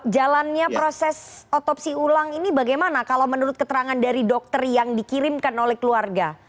jalannya proses otopsi ulang ini bagaimana kalau menurut keterangan dari dokter yang dikirimkan oleh keluarga